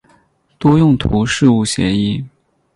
多用途事务协议。